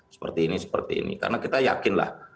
seperti ini seperti ini karena kita yakinlah